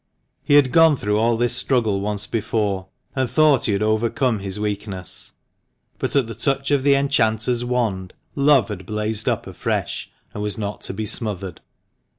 He had gone through all this struggle once before, and thought he had overcome his weakness ; but at the touch of the enchanter's wand love had blazed up afresh, and was not to be smothered.